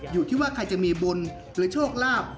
อยู่ที่ว่าใครจะมีบุญหรือโชคลาภ